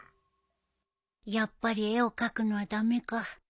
やっぱり絵を描くのは駄目か